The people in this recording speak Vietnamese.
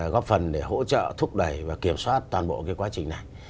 góp phần để hỗ trợ thúc đẩy và kiểm soát toàn bộ quá trình này